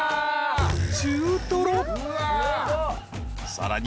［さらに］